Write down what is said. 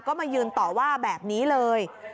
ก็มายืนต่อว่าแบบนี้เลย